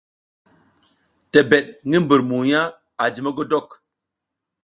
Tebed ngi mbur mugna a ji mogodok.